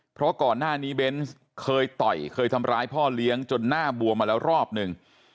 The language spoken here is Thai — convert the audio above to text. เพราะก่อนหน้านี้เบนส์เคยต่อยเคยทำร้ายพ่อเลี้ยงจนหน้าบวมมาแล้วรอบหนึ่ง